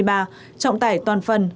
trọng tải toàn phần